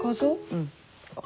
うん。